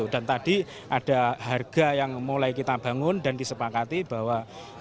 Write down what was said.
dan tadi ada harga yang mulai kita bangun dan disepakati bahwa